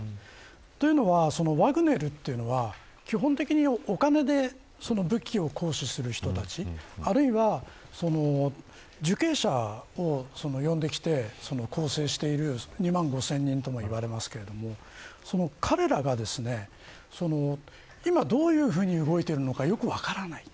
というのはワグネルというのは基本的にお金で武器を行使する人たちあるいは、受刑者を呼んできて構成されている２万５０００人ともいわれていますがその彼らが今どういうふうに動いているのかよく分からない。